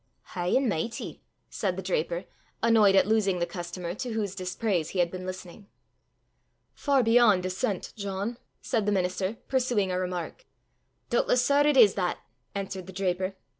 "High an' michty!" said the draper, annoyed at losing the customer to whose dispraise he had been listening. "Far beyond dissent, John!" said the minister, pursuing a remark. "Doobtless, sir, it is that!" answered the draper.